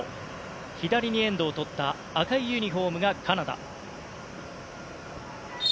左にエンドをとった赤いユニホームがカナダ。